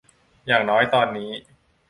อย่างน้อยตอนนี้